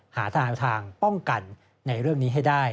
หาทางป้องกันในเรื่องนี้ให้ได้